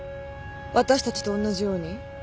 私たちとおんなじように？